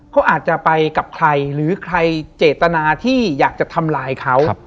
เขาอาจจะไปกับใครหรือใครเจตนาที่อยากจะทำลายเขา